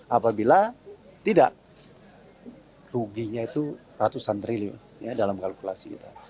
apabila tidak ruginya itu ratusan triliun dalam kalkulasi kita